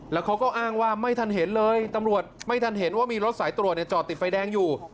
แล้วเขาก็อ้างว่าไม่ทันเห็นเลยตำรวจไม่ทันเห็นว่ามีรถสายตรวจจอดติดไฟแดงอยู่